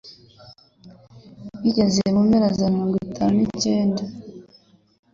Bigeze mu mpera za zamirongwitanu nicyenda